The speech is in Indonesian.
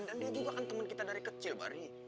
dan dia juga kan temen kita dari kecil bari